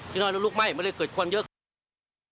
ที่นอนแล้วลูกไหม้มันเลยเกิดควันเยอะ